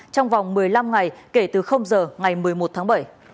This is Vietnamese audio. trong vòng một mươi năm ngày kể từ giờ ngày một mươi một tháng bảy